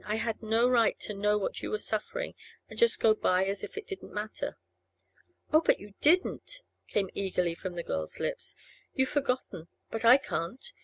I had no right to know what you were suffering and just go by as if it didn't matter!' 'Oh, but you didn't!' came eagerly from the girl's lips. 'You've forgotten, but I can't.